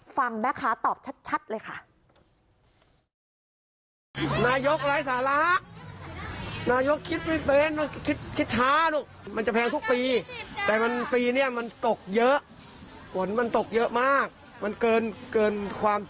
ฟังแม่ค้าตอบชัดเลยค่ะ